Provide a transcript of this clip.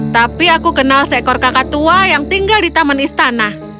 tapi aku kenal seekor kakak tua yang tinggal di taman istana